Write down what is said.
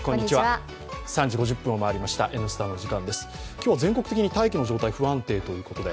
今日は全国的に大気の状態が不安定ということで。